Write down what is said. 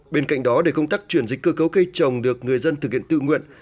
bên cạnh đó để công tác chuyển dịch cơ cấu cây trồng được người dân thực hiện tự nguyện